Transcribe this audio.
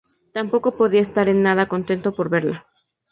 Tampoco podía estar nada contento por verla.